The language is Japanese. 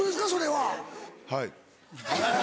はい。